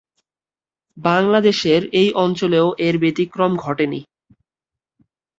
বাংলাদেশের এই অঞ্চলেও এর ব্যতিক্রম ঘটে নি।